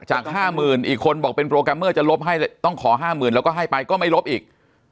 ๕๐๐๐อีกคนบอกเป็นโปรแกรมเมอร์จะลบให้ต้องขอ๕๐๐๐แล้วก็ให้ไปก็ไม่ลบอีก